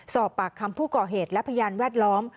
สอบปากคำผู้ก่อเหตุและพยานแวดล้อม